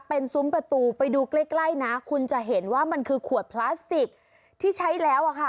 เป็นซุ้มประตูไปดูใกล้ใกล้นะคุณจะเห็นว่ามันคือขวดพลาสติกที่ใช้แล้วอะค่ะ